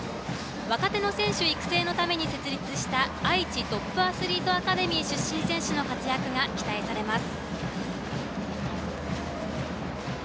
若手の選手育成のために設立したあいちトップアスリートアカデミー出身選手の活躍が期待されます。